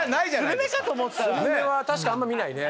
スルメは確かにあんま見ないね。